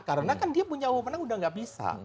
karena kan dia punya uwomenang sudah tidak bisa